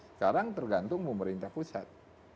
sekarang tergantung pemerintah pusat